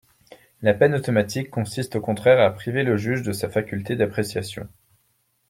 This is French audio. La peine automatique consiste au contraire à priver le juge de sa faculté d’appréciation.